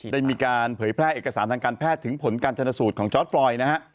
ได้มีการเผยแพร่เอกสารทางการแพทย์ถึงผลการชนสูตรของจอร์ดฟรอยนะฮะ